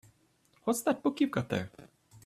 What's that book you've got there?